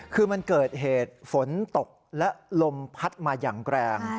คือมันเกิดเหตุฝนตกและลมพัดมาอย่างแรง